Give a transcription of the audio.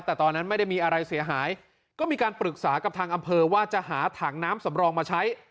แต่ตอนนั้นไม่ได้มีอะไรเสียหายก็มีการปรึกษากับทางอำเภอว่าจะหาถังน้ำสำรองมาใช้